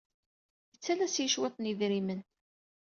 Ittalas-iyi cwiṭ n yedrimen.